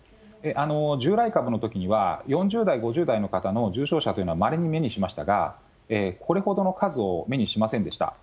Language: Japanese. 従来株のときには、４０代、５０代の方の重症者というのは、まれに目にしましたが、これほどの数を目にしませんでした。